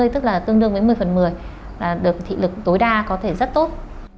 tức là tương đương với một mươi phần một mươi được thị lực tối đa có thể rất tốt